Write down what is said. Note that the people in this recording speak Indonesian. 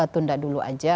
tunda dulu aja